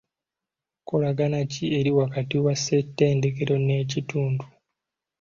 Nkolagana ki eri wakati wa ssetendekero n'ekitundu?